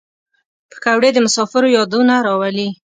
پکورې د مسافرو یادونه راولي